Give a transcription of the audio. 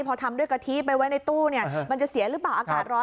พอทำด้วยกะทิไปไว้ในตู้มันจะเสียหรือเปล่า